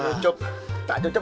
aku ini sudah capek